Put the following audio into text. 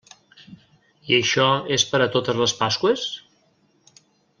I això és per a totes les Pasqües?